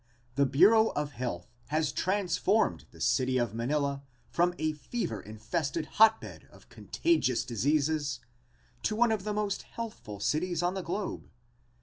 A bureau of health has transformed the city of Manila from a fever infested hotbed of contagious diseases to one of the most healthful cities on the globe.